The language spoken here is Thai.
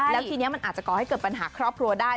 แล้วทีนี้มันอาจจะก่อให้เกิดปัญหาครอบครัวได้